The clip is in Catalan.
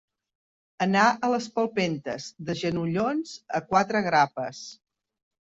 Anar a les palpentes, de genollons, a quatre grapes.